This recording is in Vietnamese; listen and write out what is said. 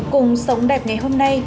cùng sống đẹp ngày hôm nay